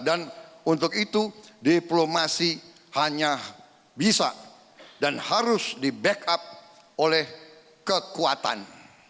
dan untuk itu diplomasi hanya bisa dan harus di back up oleh kekuatan